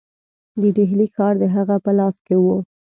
د ډهلي ښار د هغه په لاس کې وو.